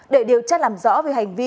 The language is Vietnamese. để điều tra làm rõ về hành vi